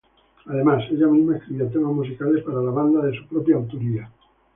Además ella misma escribió temas musicales para la banda, de su propia autoría.